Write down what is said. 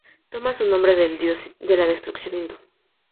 Toma su nombre del dios de la destrucción hindú.